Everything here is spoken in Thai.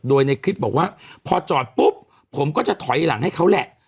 โดยในคลิปบอกว่าพอจอดปุ๊บผมก็จะถอยหลังให้เขาแหละ